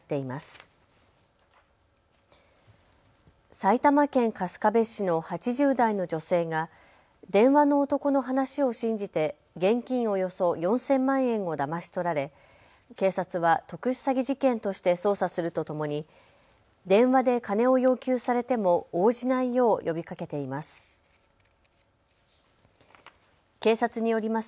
埼玉県春日部市の８０代の女性が電話の男の話を信じて現金およそ４０００万円をだまし取られ警察は特殊詐欺事件として捜査するとともに電話で金を要求されても応じないよう呼びかけています。